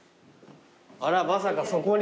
あらまさかそこに？